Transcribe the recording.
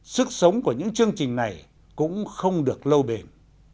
sức sống của những chương trình này cũng không được lâu bền